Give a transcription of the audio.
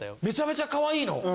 めちゃめちゃかわいいの？